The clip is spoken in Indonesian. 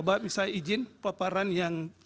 ibu beberapa per entferannya